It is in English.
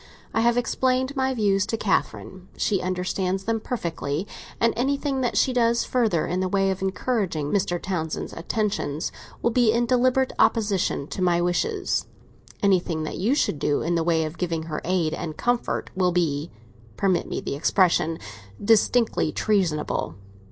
I have explained my views to Catherine; she understands them perfectly, and anything that she does further in the way of encouraging Mr. Townsend's attentions will be in deliberate opposition to my wishes. Anything that you should do in the way of giving her aid and comfort will be—permit me the expression—distinctly treasonable.